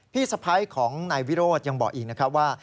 พี่สะพ้ายของนายวิโรธยังบอกอีกนะครับว่า